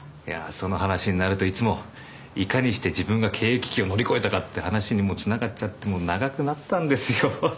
その話になるといつもいかにして自分が経営危機を乗り越えたかって話につながっちゃってもう長くなったんですよ。